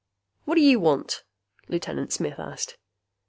"What do you want?" Lieutenant Smith asked.